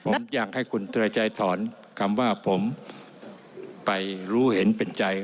ผมอยากให้คุณเตรชัยถอนคำว่าผมไปรู้เห็นเป็นใจ